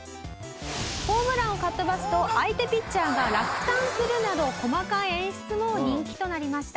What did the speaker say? ホームランをかっ飛ばすと相手ピッチャーが落胆するなど細かい演出も人気となりました。